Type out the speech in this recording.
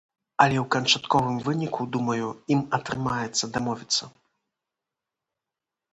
Але ў канчатковым выніку, думаю, ім атрымаецца дамовіцца.